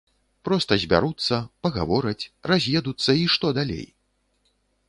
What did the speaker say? Проста збяруцца, пагавораць, раз'едуцца і што далей?